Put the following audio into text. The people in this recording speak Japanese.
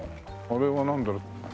あれはなんだろう？